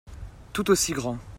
Tout aussi grand.